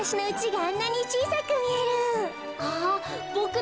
あ。